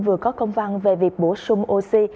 vừa có công văn về việc bổ sung oxy